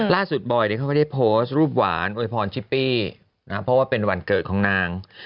บอยเขาก็ได้โพสต์รูปหวานโวยพรชิปปี้นะเพราะว่าเป็นวันเกิดของนาง